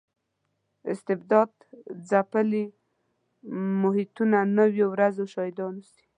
استبداد ځپلي محیطونه نویو ورځو شاهدان اوسي.